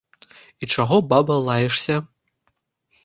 І чаго, баба, лаешся?